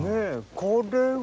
これは？